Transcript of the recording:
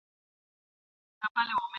له منظور پښتین سره دي ..